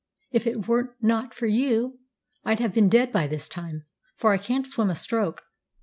If it were not for you I'd have been dead by this time, for I can't swim a stroke."